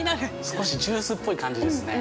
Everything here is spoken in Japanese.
少しジュースっぽい感じですね。